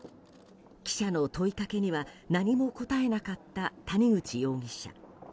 記者の問いかけには何も答えなかった谷口容疑者。